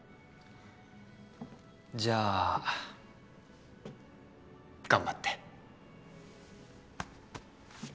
じゃあ頑張って。